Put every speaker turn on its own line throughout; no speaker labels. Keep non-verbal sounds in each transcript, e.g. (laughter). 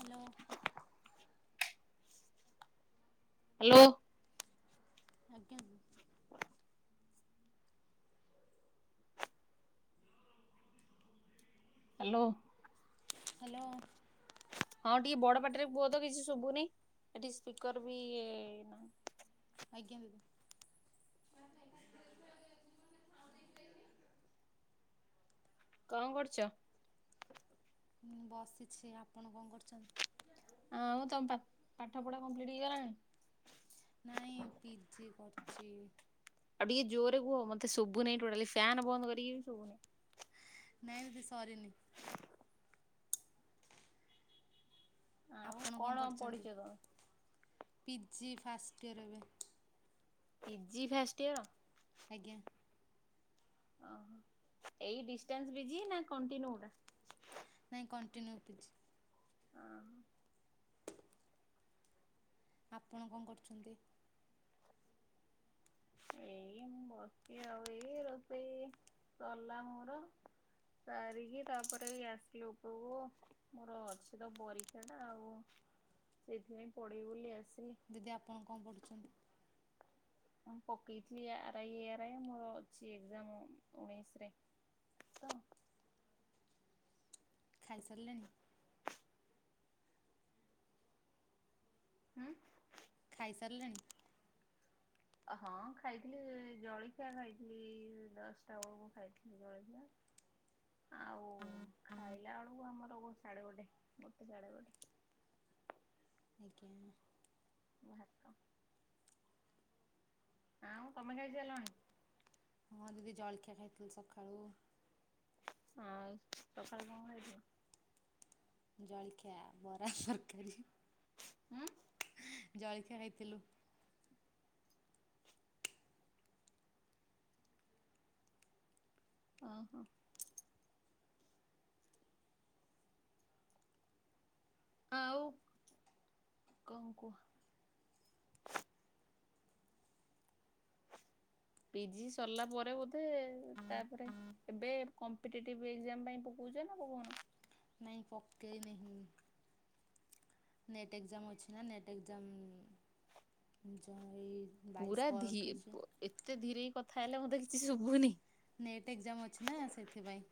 Hello.
Hello.
ଆଜ୍ଞା।
Hello.
Hello.
ହଁ ଟିକେ ବଡ଼ ପାଟିରେ କୁହ ତ କିଛି ଶୁଭୁନି। ଏଠି ସ୍ପିକର୍ ବି
ଆଜ୍ଞା।
କଣ କରୁଚ?
ମୁଁ ବସିଛି ଆପଣ କଣ କରୁଚନ୍ତି?
ଆଉ ତମ ପା ପାଠ ପଢ଼ା କମ୍ପ୍ଲିଟ୍ ହେଇଗଲାଣି?
ନାଇଁ ପିଜି କରୁଚି।
ଆଉ ଟିକେ ଜୋରେ କୁହ ମତେ ଶୁଭୁନି ଟୋଟାଲି ଫ୍ୟାନ ବନ୍ଦ କରିକି ବି ଶୁଭୁନି।
ନାଇଁ ବୋଧେ ସରିନି।
ଆଉ
ଆପଣ କଣ କରିଛନ୍ତି
ପଢିଛ ତମେ?
ପିଜି ଫାଷ୍ଟ୍ ଇୟର ଏବେ।
PG first year.
ଆଜ୍ଞା
ଓହୋ ଏଇ ଡିଷ୍ଟାନ୍ସ୍ ପିଜି ନା କଣ୍ଟିନ୍ୟୁ ଟା?
ନାଇଁ କଣ୍ଟିନ୍ୟୁ ପିଜି।
ହଁ।
ଆପଣ କଣ କରୁଚନ୍ତି?
ଏଇ ମୁଁ ବସିଚି ଆଉ ଏଇ ରୋଷେଇ ସରିଲା ମୋର। ସାରିକି ତାପରେ ଆସିଲି ଉପରକୁ। ମୋର ଅଛି ତ ପରୀକ୍ଷା ଟା ଆଉ ସେଥିପାଇଁ ପଢ଼ିବି ବୋଲି ଆସିଲି।
ଦିଦି ଆପଣ କଣ ପଢ଼ୁଛନ୍ତି?
ମୁଁ ପକେଇ ଥିଲି ଆରାଇ, ଏରାଇ ମୋର ଅଛି ଏକ୍ଜାମ୍ ଉଣେଇଶି ରେ। ତ
ଖାଇ ସାରିଲେଣି?
ହୁଁ।
ଖାଇ ସାରିଲେଣି?
ହଁ ଖାଇଥିଲି ଜଳଖିଆ ଖାଇଥିଲି ଦଶଟା ବେଳକୁ ଖାଇଥିଲି ଜଳଖିଆ। ଆଉ ଖାଇଲା ବେଳକୁ ଆମର ସାଢ଼େ ଗୋଟେ ଗୋଟେ ସାଢ଼େ ଗୋଟେ।
ଆଜ୍ଞା।
ଭାତ। ଆଉ ତମେ ଖାଇ ସାରିଲଣି?
ହଁ ଦିଦି ଜଳଖିଆ ଖାଇଥିଲି ସକାଳୁ।
ହଁ ସକାଳେ କଣ ଖାଇଥିଲ?
ଜଳଖିଆ ବରା, ତରକାରୀ।
ହୁଁ।
ଜଳଖିଆ ଖାଇଥିଲୁ।
ଓ ହୋ। ଆଉ କଣ କୁହ? ପିଜି ସରିଲା ପରେ ବୋଧେ ତାପରେ ଏବେ କମ୍ପିଟେଟିଭ୍ ଏକ୍ଜାମ୍ ପାଇଁ ପକଉଛ ନା ପକଉନ?
ନାଇଁ ପକେଇନି। ନେଟ୍ ଏକ୍ଜାମ୍ ଅଛି ନା ନେଟ୍ ଏକ୍ଜାମ୍ (unintelligible)
ପୁରା ଧୀ ଏତେ ଧୀରେ କଥା ହେଲେ ମତେ କିଛି ଶୁଭୁନି।
ନେଟ୍ ଏକ୍ଜାମ୍ ଅଛି ନା ସେଥିପାଇଁ।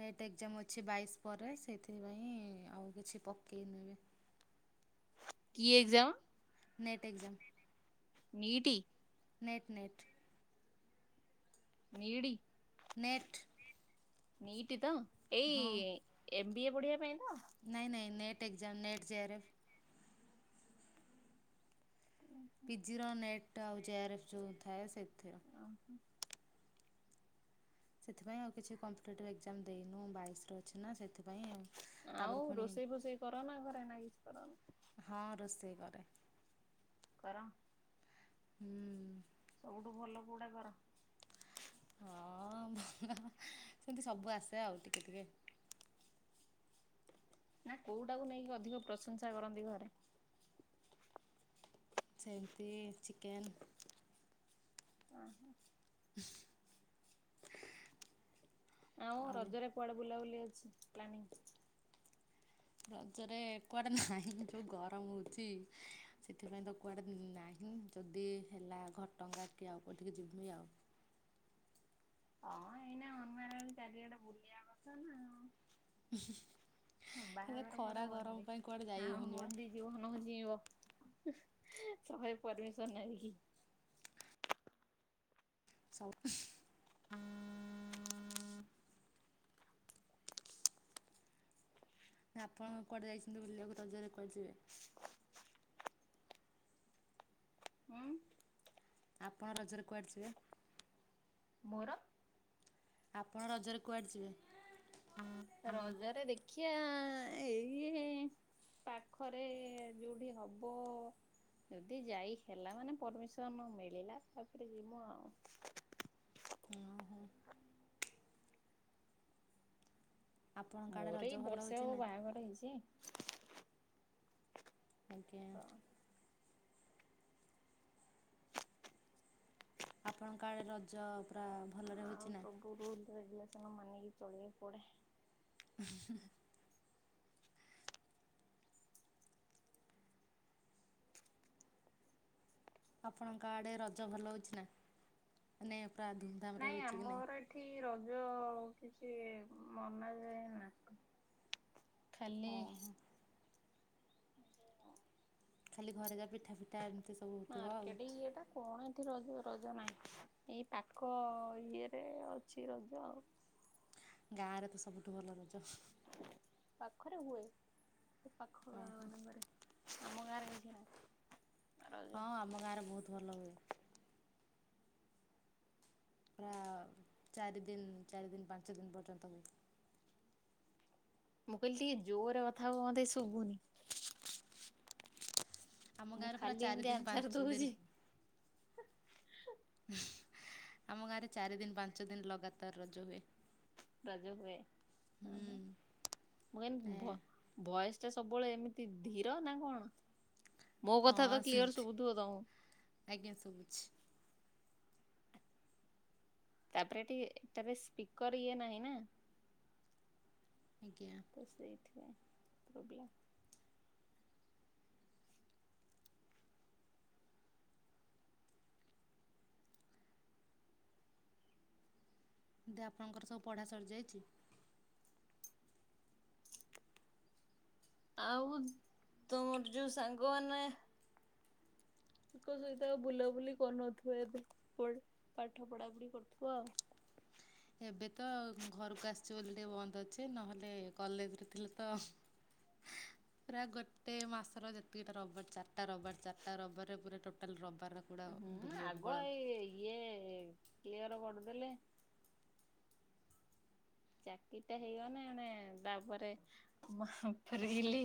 ନେଟ୍ ଏକ୍ଜାମ୍ ଅଛି ବାଇଶି ପରେ ସେଇଥିପାଇଁ ଆଉ କିଛି ପକେଇନି।
କି ଏକ୍ଜାମ୍?
NET exam.
ନିଟି।
NET NET.
ନିଡ଼ି
ନେଟ୍
ନିଟ୍ ତ
ହଁ
ଏଇ ଏମ ବି ଏ ପଢିବା ପାଇଁ ତ?
ନାଇଁ ନାଇ ନଟ ଏକଜାମ ନେଟ ଜ ଆରଏଫ। ପିଜିର ନେଟ୍ ଆଉ ଜେଆର ଏଫ୍ ଯୋଉ ଥାଏ ସେଥିର।
ଓହ।
ସେଥିପାଇଁ ଆଉ କିଛି କମ୍ପିଟେଟିଭ୍ ଏକ୍ଜାମ ଦେଇନୁ ବାଇଶର ଅଛି ନା ସେଥିପାଇଁ ଆଉ। ତାପରେ
ଆଉ
ପୁଣି
ରୋଷେଇ ଫୋଷେଇ କର ନା ଘରେ ନା କିଛି କରନି।
ହଁ ରୋଷେଇ କରେ।
କର
ହୁଁ।
ସବୁଠୁ ଭଲ କୋଉଟା କର।
ହଁ ଭଲ ସେମିତି ସବୁ ଆସେ ଆଉ ଟିକେ ଟିକେ।
ନା କୋଉଟାକୁ ନେଇକି ଅଧିକ ପ୍ରଶଂସା କରନ୍ତି ଘରେ?
ସେମତି ଚିକେନ୍
ଓ ହୋ। ଆଉ ରଜରେ କୁଆଡେ ବୁଲାବୁଲି ଅଛି ପ୍ଲାନିଂ?
ରଜରେ କୁଆଡେ ନାହିଁ ଯୋଉ ଗରମ ହଉଛି ସେଥିପାଇଁ ତ କୁଆଡେ ନାହିଁ ଯଦି ହେଲା ଘଟଙ୍କା କି ଆଉ କୋଉଠିକି ଯିବି ଆଉ।
ହଁ ଏଇନା ଅନମ୍ୟାର ଚାରିଆଡେ ବୁଲିବା କଥା ନା ଆଉ।
ହେଲେ
ବାହାଘର ପରେ
ଖରା ଗରମ
ବନ୍ଦୀ।
ପାଇଁ କୁଆଡେ
ଆଉ
ଯାଇହଉନି ବା।
ବନ୍ଦୀ ଜୀବନ ହଉଚି ଯିଇଁବ ଶହେ ପରମିସନ ଆଣି କି।
ସଉ ନା ଆପଣ କୁଆଡ଼େ ଯାଇଛନ୍ତି ବୁଲିବାକୁ ରଜରେ କୁଆଡ଼ ଯିବେ?
ଉଁ
ଆପଣ ରଜରେ କୁଆଡ଼େ ଯିବେ?
ମୋର
ଆପଣ ରଜରେ କୁଆଡେ ଯିବେ?
ରଜରେ ଦେଖିବା ଏଇ ଏ ପାଖରେ ଯୋଉଠି ହବ ଯଦି ଯାଇ ହେଲା ମାନେ ପରମିସନ୍ ମିଳିଲା ତାପରେ ଜିମୁ ଆଉ।
ହଁ ହୋ। ଆପଣଙ୍କ ଆଡ଼େ
ମୋର
ରଜ
ଏଇ
ଭଲ
ବର୍ଷେ
ହେଉଛି
ହବ
ନା
ବାହାଘର ହେଇଛି।
ଆଜ୍ଞା।
ତ
ଆପଣଙ୍କ ଆଡ଼େ ରଜ ପୁରା ଭଲରେ
ଆଉ
ହୋଇଛି ନା।
ସବୁ ରୁଲ ରେଗୁଲସନ୍ ମାନକି ଚଳିବାକୁ ପଡେ।
ଆପଣଙ୍କ ଆଡେ ରଜ ଭଲ ହଉଛି ନା ମାନେ ପୁରା ଧୁମ୍
ନାଇଁ ଆମର ଏ ଏଠି ରଜ କିଛି ମନାଯାଏ ନାହିଁ। ଖାଲି
ଓହୋ ଖାଲି ଘରେ ଯାହା ପିଠା ତା ଏମିତି ସବୁ ହଉଥିବ ଆଉ।
ମାର୍କେଟ ଇଏଟା। କଣ ଏଠି ରଜ ରଜ ନାହିଁ ଏଇ ପାଖ ଇଏରେ ଅଛି ରଜ ଆଉ।
ଗାଁରେ ତ ସବୁଠୁ ଭଲ ରଜ।
ପାଖରେ ହୁଏ ପାଖ
ଅଁ
ଗାଁ
ହୋ।
ମାନଙ୍କରେ ଆମ ଗାଁରେ କିଛି ନାହିଁ।
ହଁ
ରଜ
ଆମ ଗାଁରେ ବହୁତୁ ଭଲ ହୁଏ। ପୁରା ଚାରି ଦିନ ଚାରି ଦିନ ପାଞ୍ଚ ଦିନ ପର୍ଯ୍ୟନ୍ତ ହୁଏ।
ମୁଁ କହିଲି ଟିକେ ଜୋରରେ କଥା ହୁଅନ୍ତେ ଶୁଭୁନି।
ଆମ
ମୁଁ
ଗାଁରେ ପୁରା
ଖାଲି
ଚାରି
ଏମିତି
ଦିନ
ଆନ୍ସର
ପାଞ୍ଚ
ଦଉଛି
ଦିନ ଆମ ଗାଁରେ ଚାରି ଦିନ ପାଞ୍ଚ ଦିନ ଲଗାତାର ରଜ ହୁଏ।
ରଜ ହୁଏ ହଁ
ହୁଁ
ମୁଁ କହିନି
ଏ
ଭଏ ଭଏସଟା ସବୁବେଳେ ଏମିତି ଧିର ନା କଣ? ମୋ
ହଁ
କଥା ତ କ୍ଲିୟର
ସେମିତି
ଶୁଭୁଥିବ ତମକୁ
ଆଜ୍ଞା ଶୁଭୁଛି।
ତାପରେ ଏଠି ଏଟାରେ ସ୍ପିକର ଇଏ ନାହିଁ ନା।
ଆଜ୍ଞା।
ତ ସେଇଥିପାଇଁ ପ୍ରୋବ୍ଲେମ୍।
ଆପଣଙ୍କର ସବୁ ପଢ଼ା ସରିଯାଇଛି।
ଆଉ ତମର ଯୋଉ ସାଙ୍ଗମାନେ ତାଙ୍କ ସହିତ ଆଉ ବୁଲାବୁଲି କରୁନଥିବ ଏବେ ପଢ ପାଠ ପଢାପଢି କରୁଥିବ ଆଉ।
ଏବେ ତ ଘରକୁ ଆସଛି ବୋଲି ଟିକେ ବନ୍ଦ ଅଛି ନହେଲେ କଲେଜରେ ଥିଲେ ତ। ପୁରା ଗୋଟେ ମାସର ଯେତିକିଟା ରବିବାର ଚାରିଟା ରବିବାର ଚାରିଟା ରବିବାରରେ ପୁରା ଟୋଟାଲ ରବିବାରର
ହୁଁ ଆଗ ଏଇ ଇଏ କ୍ଲିୟର କରିଦେଲେ। ଚାକିରିଟା ହେଇଗଲେ ଏଣେ ତାପରେ ମା ଫେରିଲି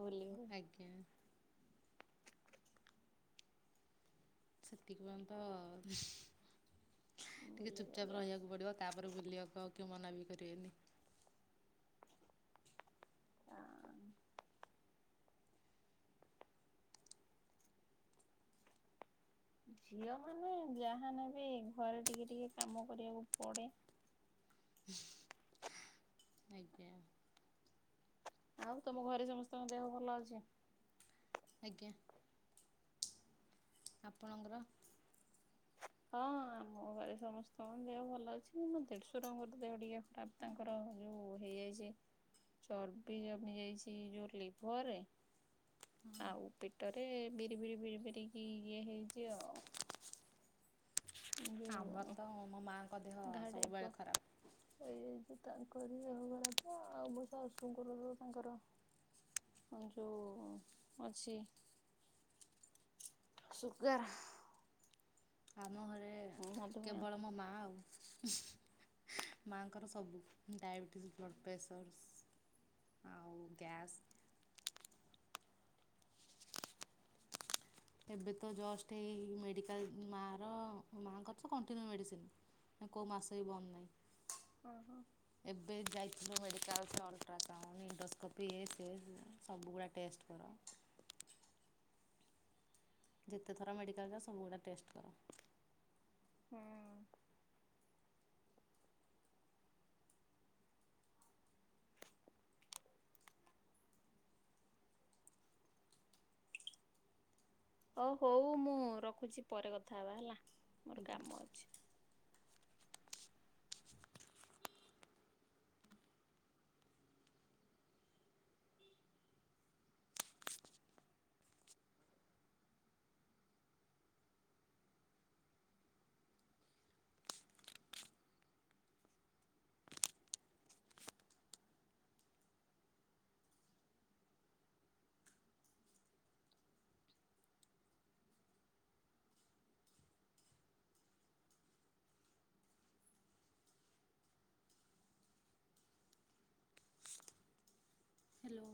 ବୁଲିବ
ଆଜ୍ଞା। ସେତିକି ପଯ୍ୟନ୍ତ ଟିକେ
ବୁଲି
ଚୁପଚାପ
ପାରିବା।
ରହିବାକୁ ପଡିବ ତାପରେ ବୁଲିବାକୁ ଆଉ କିଏ ମନା ବି କରିବେନି।
ହଁ ଝିଅ ମାନେ ଯାହା ନେବେ ଘରେ ଟିକେ ଟିକେ କାମ କରିବାକୁ ପଡେ।
ଆଜ୍ଞା।
ଆଉ ତମ ଘରେ ସମସ୍ତଙ୍କ ଦେହ ଭଲ ଅଛି?
ଆଜ୍ଞା। ଆପଣଙ୍କର
ହଁ ଆମ୍ ମୋ ଘରେ ସମସ୍ତଙ୍କ ଦେହ ଭଲ ଅଛି ମୋ ଦେଢଶୁରଙ୍କର ଦେହ ଟିକେ ଖରାପ ତାଙ୍କର ଯୋଉ ହେଇଯାଇଛି। ଚର୍ବି ଜମି ଯାଇଛି ଯୋଉ ଲିଭରରେ ଆଉ ପେଟରେ ବିରି ବିରି ବିରି ବିରିିକି ଇଏ ହେଇଚି ଆଉ।
ଆମର
ଯୋଉ
ତ ମୋ ମାଆଙ୍କ ଦେହ
ଘା ଟାଇପ ର
ସବୁବେଳେ ଖରାପ।
ହେଇଯାଇଛି ତାଙ୍କରି ଖରାପ ଆଉ ମୋ ଶାଶୁଙ୍କର ତାଙ୍କର ଆଉ ଯୋଉ ଅଛି ସୁୁଗାର
ଆମ ଘରେ
ମଧୁମେହ।
କେବଳ ମୋ ମା ଆଉ। ମାଆଙ୍କର ସବୁ ଡାଇବେଟିସ ବ୍ଲଡ଼ ପ୍ରେସର ଆଉ ଗ୍ୟାସ ଏବେ ତ ଜଷ୍ଟ ଏଇ ମେଡିକାଲ ମା ର ମାଆଙ୍କର ତ କଣ୍ଟିନ୍ୟୁ ମେଡ଼ିସିନ। ନା କେଉଁ ମାସ ବି ବନ୍ଦ ନାହିଁ।
ଓହୋ
ଏବେ ଯାଇଥିଲୁ ମେଡ଼ିକାଲ ସେ ଅଲଟ୍ରାସାଉଣ୍ଡ ଇଣ୍ଡୋସ୍କୋପି ଏ ସେ ସବୁଗୁଡ଼ା ଟେଷ୍ଟ କର ଯେତେଥର ମେଡିକାଲ ଯାଅ ସବୁଗୁଡା ଟେଷ୍ଟ କର।
ହୁଁ ଓ ହଉ ମୁଁ ରଖୁଚି ପରେ କଥା ହବା ହେଲା। ମୋର କାମ
ଆଜ୍ଞା
ଅଛି।
ହ୍ୟାଲୋ।